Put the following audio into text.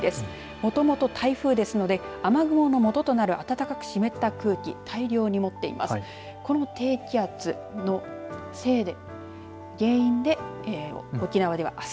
もともと台風ですので、雨雲のもととなる暖かく湿った空気大量に持っています。